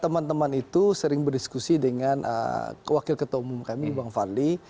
teman teman itu sering berdiskusi dengan wakil ketua umum kami bang fadli